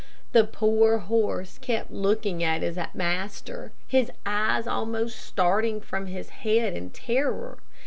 The poor horse kept looking at his master, his eyes almost starting from his head in terror.